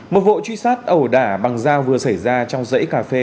một vụ truy sát ẩu đả bằng dao vừa xảy ra trong dãy cà phê